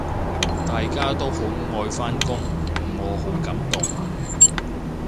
大家都好愛返工，我好感動